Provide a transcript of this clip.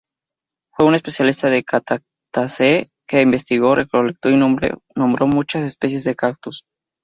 Fue un especialista en cactaceae, que investigó, recolectó y nombró muchas especies de cactus.